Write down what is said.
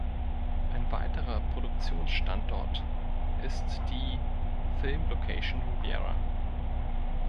Ein weiterer Produktionsstandort ist die „Film Location Riviera“.